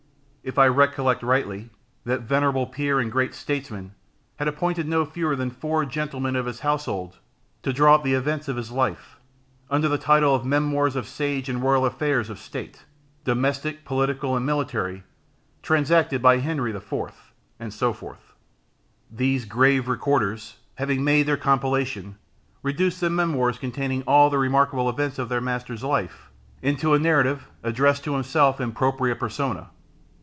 If I recollect rightly, that venerable peer and great statesman had appointed no fewer than four gentlemen of his household to draw up the events of his life, under the title of Memorials of the Sage and Royal Affairs of State, Domestic, Political, and Military, transacted by Henry IV., and so forth. These grave recorders, having made their compilation, reduced the Memoirs containing all the remarkable events of their master's life into a narrative, addressed to himself in _propria persona.